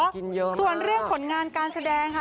กินเยอะส่วนเรื่องผลงานการแสดงค่ะ